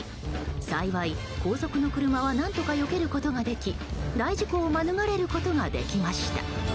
幸い、後続の車は何とかよけることができ大事故を免れることができました。